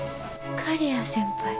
刈谷先輩？